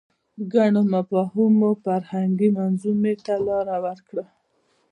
ګڼو مفاهیمو فرهنګي منظومې ته لاره وکړه